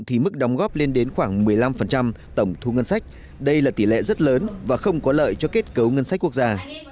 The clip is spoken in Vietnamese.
thì mức đóng góp lên đến khoảng một mươi năm tổng thu ngân sách đây là tỷ lệ rất lớn và không có lợi cho kết cấu ngân sách quốc gia